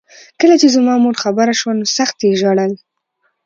کله چې زما مور خبره شوه نو سخت یې ژړل